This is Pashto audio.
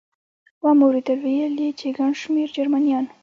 مو واورېدل، ویل یې چې ګڼ شمېر جرمنیان.